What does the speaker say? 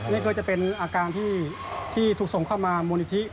นี่ก็จะเป็นอาการที่ถูกส่งเข้ามามูลนิธิ